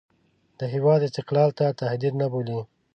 د هېواد استقلال ته تهدید نه بولي.